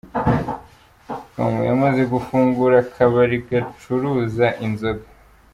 com ko yamaze gufungura akabari gacuruza inzoga.